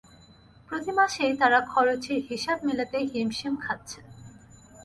প্রতি মাসেই তাঁরা খরচের হিসাব মেলাতে হিমশিম খাচ্ছেন।